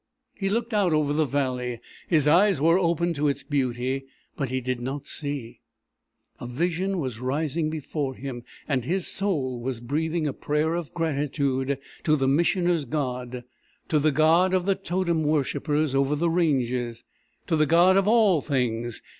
He looked out over the valley. His eyes were open to its beauty, but he did not see; a vision was rising before him, and his soul was breathing a prayer of gratitude to the Missioner's God, to the God of the totem worshippers over the ranges, to the God of all things.